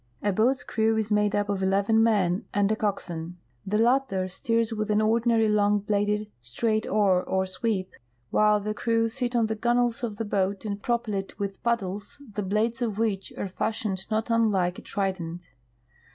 A boat's crew is made up of eleven men and a coxswain. The latter steers with an ordinary long bladed, straight oar or sweep, while the crew sit on the gunwales of the boat and propel it with paddles, the blades of which are fashioned not unlike a trident.